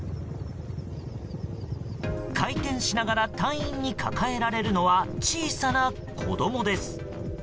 回転しながら隊員に抱えられるのは小さな子供です。